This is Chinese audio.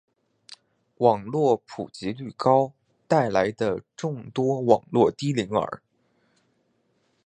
网络普及率高带来的众多网络低龄儿